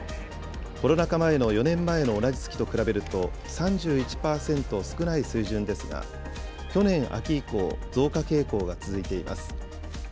コロナ禍前の４年前の同じ月と比べると、３１％少ない水準ですが、去年秋以降、増加傾向が続いています。